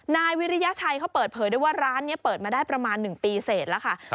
นายวิริยชัยเขาเปิดเผยด้วยว่าร้านนี้เปิดมาได้ประมาณ๑ปีเสร็จแล้วค่ะ